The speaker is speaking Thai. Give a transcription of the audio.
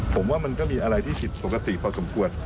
ผมว่ามันก็มีอะไรที่ผิดปกติพอสมควร